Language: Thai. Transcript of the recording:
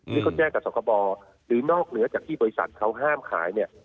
นี่เขาแจ้งกับสคบหรือนอกเหนือจากที่บริษัทเขาห้ามขายเนี่ย